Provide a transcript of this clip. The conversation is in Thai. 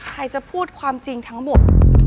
ใครจะพูดความจริงทั้งหมด